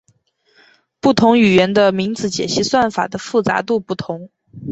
不同语言的名字解析算法的复杂度不同。